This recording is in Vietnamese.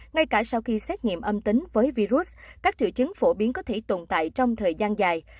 ngay cả sau khi xét nghiệm âm tính với virus các triệu chứng phổ biến có thể tồn tại trong thời gian dài